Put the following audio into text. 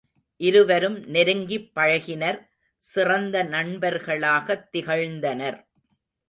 இருவரும் நெருங்கிப் பழகினர் சிறந்த நண்பர்களாகத் திகழ்ந்தனர்.